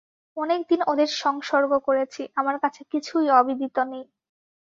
অনেক দিন ওদের সংসর্গ করেছি, আমার কাছে কিছুই অবিদিত নেই।